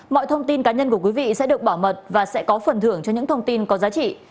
mọi thông tin cá nhân của quý vị sẽ được bảo mật và sẽ có phần thưởng cho những thông tin có giá trị